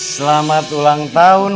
selamat ulang tahun